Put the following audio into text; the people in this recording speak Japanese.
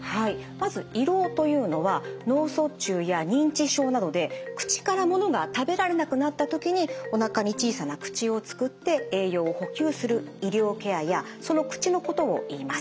まず胃ろうというのは脳卒中や認知症などで口から物が食べられなくなった時におなかに小さな口を作って栄養を補給する医療ケアやその口のことをいいます。